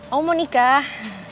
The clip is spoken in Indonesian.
oh mau nikah